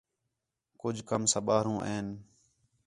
کُج کم ساں ٻاہرو این